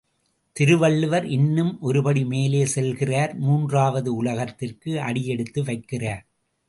திருவள்ளுவர் இன்னும் ஒருபடி மேலே செல்லுகிறார் மூன்றாவது உலகத்திற்கு அடியெடுத்து வைக்கிறார்.